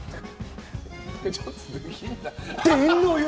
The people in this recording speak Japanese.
でんのよ！